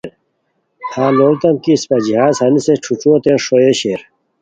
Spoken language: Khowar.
پھار لوڑیتام کی اِسپہ جہاز ہنیسے ݯھوݯھوئیوتین ݰوئے شیر